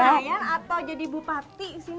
maju lagi ke senayan atau jadi bupati